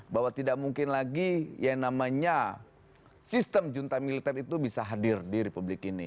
bahwa tidak mungkin lagi yang namanya sistem junta militer itu bisa hadir di republik ini